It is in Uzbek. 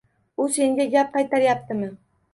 U senga gap qaytaryapti.